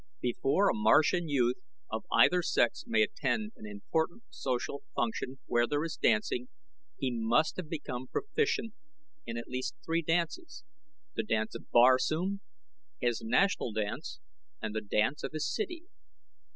Before a Martian youth of either sex may attend an important social function where there is dancing, he must have become proficient in at least three dances The Dance of Barsoom, his national dance, and the dance of his city.